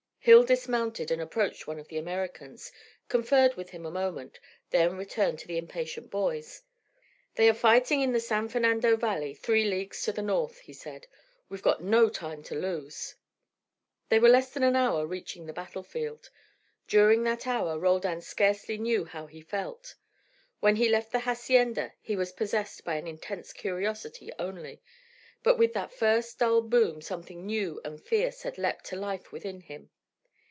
Hill dismounted and approached one of the Americans, conferred with him a moment, then returned to the impatient boys. "They are fightin' in the San Fernando valley, three leagues to the north," he said. "We've got no time to lose." They were less than an hour reaching the battlefield. During that hour Roldan scarcely knew how he felt. When he left the hacienda he was possessed by an intense curiosity only; but with that first dull boom something new and fierce had leapt to life within him.